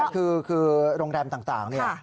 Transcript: คือโรงแรมต่างเนี่ย